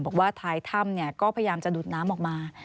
บอกว่าท้ายถ้ำก็พยายามจะดูดน้ำออกมา